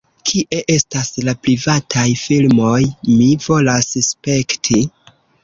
Kie estas la privataj filmoj? Mi volas spekti